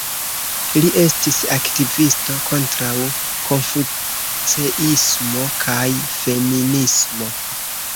Li estis aktivisto kontraŭ konfuceismo kaj feministo.